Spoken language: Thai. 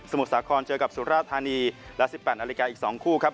มุทรสาครเจอกับสุราธานีและ๑๘นาฬิกาอีก๒คู่ครับ